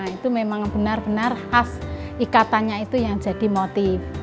itu memang benar benar khas ikatannya itu yang jadi motif